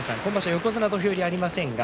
横綱土俵入りがありません。